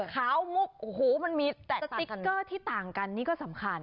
ขาวมุกโอ้โหมันมีแต่สติ๊กเกอร์ที่ต่างกันนี่ก็สำคัญ